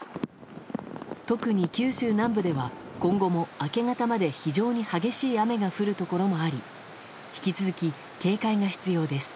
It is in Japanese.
特に九州南部では今後も明け方まで非常に激しい雨が降るところもあり引き続き警戒が必要です。